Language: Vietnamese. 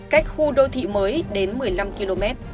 cách khu đô thị mới đến một mươi năm km